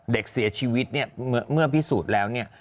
เด็กเสียชีวิตเนี่ยเมื่อพิสูจน์แล้วเนี่ย